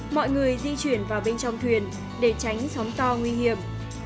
mọi người di chuyển vào bên trong thuyền để tránh sóng to nguy hiểm